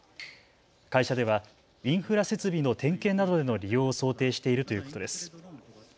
会社ではインフラ設備の点検などでの利用を想定しているということです。